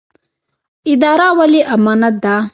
اداره ولې امانت ده؟